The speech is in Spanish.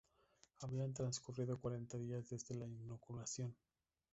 Habían transcurrido cuarenta días desde la inoculación.